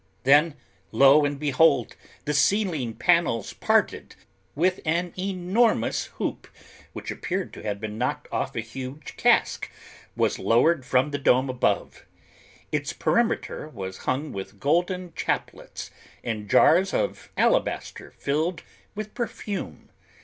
Then lo and behold! the ceiling panels parted and an enormous hoop, which appeared to have been knocked off a huge cask, was lowered from the dome above; its perimeter was hung with golden chaplets and jars of alabaster filled with perfume.